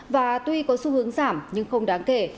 và tuy có xu hướng giảm nhưng không đáng kể